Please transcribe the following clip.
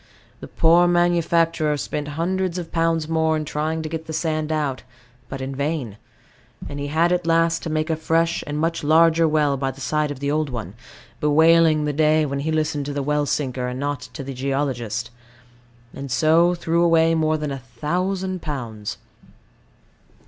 The poor manufacturer spent hundreds of pounds more in trying to get the sand out, but in vain; and he had at last to make a fresh and much larger well by the side of the old one, bewailing the day when he listened to the well sinker and not to the geologist, and so threw away more than a thousand pounds.